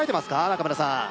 中村さん